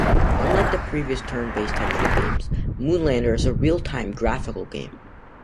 Unlike the previous turn-based, textual games, "Moonlander" is a real-time graphical game.